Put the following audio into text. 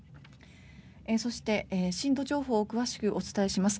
そして、震度情報を詳しくお伝えします。